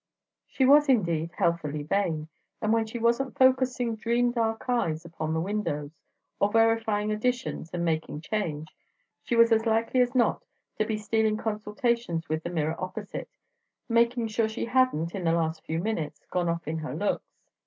She was, indeed, healthily vain; and when she wasn't focussing dream dark eyes upon the windows, or verifying additions and making change, she was as likely as not to be stealing consultations with the mirror opposite, making sure she hadn't, in the last few minutes, gone off in her looks.